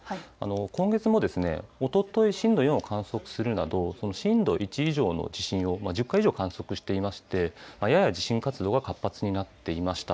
今月もおととい震度４を観測するなど震度１以上の地震を１０回以上、観測していましてやや地震活動が活発になっていました。